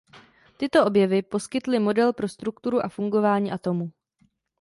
Tyto objevy poskytly model pro strukturu a fungování atomu.